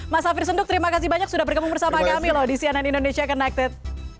mas safir senduk terima kasih banyak sudah bergabung bersama kami loh di cnn indonesia connected